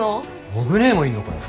オグねぇもいんのかよ。